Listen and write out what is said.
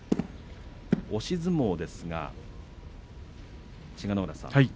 押し相撲ですが、千賀ノ浦さん